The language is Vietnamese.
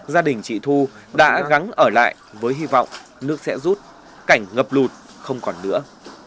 gia đình chị thu đã gắn ở lại với hy vọng nước sẽ rút cảnh ngập lụt không còn nữa